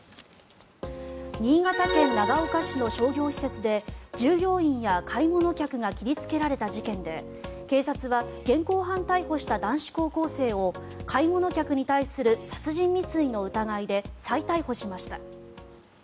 新潟県長岡市の商業施設で従業員や買い物客が切りつけられた事件で警察は現行犯逮捕した男子高校生を買い物客に対する殺人未遂の疑いで再逮捕しました。